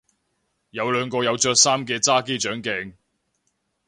有兩個有着衫嘅揸機掌鏡